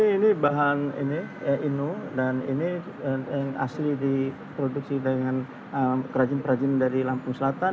ini bahan ini inu dan ini yang asli diproduksi dengan kerajinan kerajin dari lampung selatan